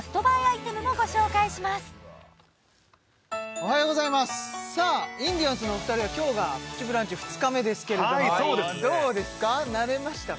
おはようございますさあインディアンスのお二人は今日が「プチブランチ」２日目ですけれどもどうですか慣れましたか？